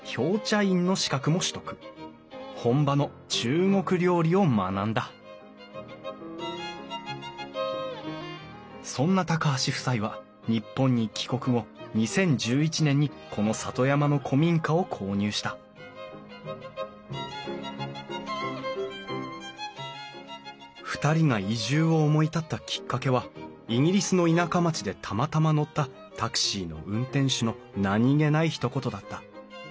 本場の中国料理を学んだそんな橋夫妻は日本に帰国後２０１１年にこの里山の古民家を購入した２人が移住を思い立ったきっかけはイギリスの田舎町でたまたま乗ったタクシーの運転手の何気ないひと言だった。